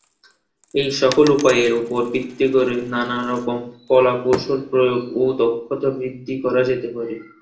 এই সকল উপায়ে র ওপর ভিত্তি করে নানা রকম কলাকৌশল প্রয়োগ ও দক্ষতা বৃদ্ধি করা যেতে পারে।